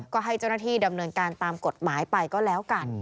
ก็ให้เจ้าหน้าที่ดำเนินการตามกฎหมายไปก็แล้วกัน